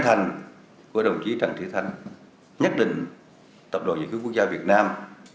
thành của đồng chí trần sĩ thanh nhất định tập đoàn dịch vụ quốc gia việt nam